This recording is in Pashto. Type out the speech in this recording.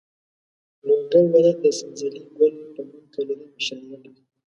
لوګر ولایت د سنځلې ګل په نوم کلنۍ مشاعره لري.